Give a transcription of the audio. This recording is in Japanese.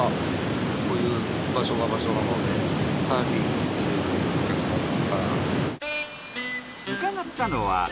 こういう場所が場所なので。